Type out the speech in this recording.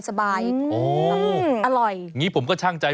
ไซส์ลำไย